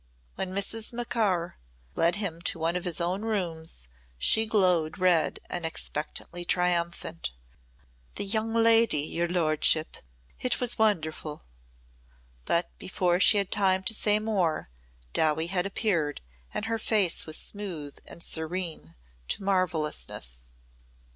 When Mrs. Macaur led him to one of his own rooms she glowed red and expectantly triumphant. "The young lady, your lordship it was wonderfu'!" But before she had time to say more Dowie had appeared and her face was smooth and serene to marvellousness.